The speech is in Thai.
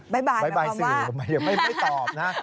บ๊ายบายคำว่าบ๊ายบายสื่อไม่ตอบนะ